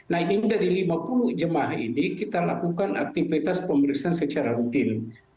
nah ini dari lima puluh jemaah ini kita lakukan aktivitas pemeriksaan secara rutin